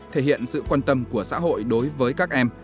thể hiện sự quan tâm của xã hội đối với các em